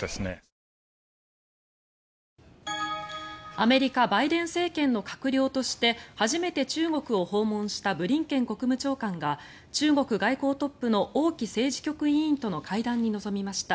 アメリカ、バイデン政権の閣僚として初めて中国を訪問したブリンケン国務長官が中国外交トップの王毅政治局委員との会談に臨みました。